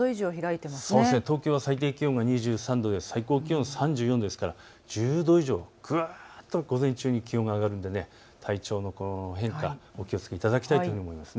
東京は最低気温が２３度、最高気温が３４度、１０度以上、ぐっと午前中に気温が上がるので体調の変化、お気をつけいただきたいと思います。